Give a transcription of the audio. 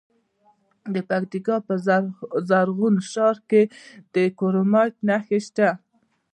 د پکتیکا په زرغون شهر کې د کرومایټ نښې شته.